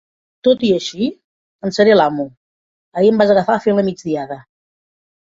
Tot i així, en seré l'amo. Ahir em vas agafar fent la migdiada.